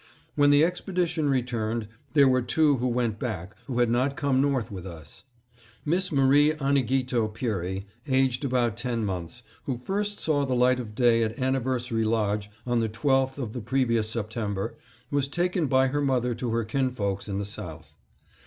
When the expedition returned, there were two who went back who had not come north with us. Miss Marie Ahnighito Peary, aged about ten months, who first saw the light of day at Anniversary Lodge on the 12th of the previous September, was taken by her mother to her kinfolks in the South.